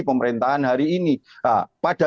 pemerintahan hari ini pada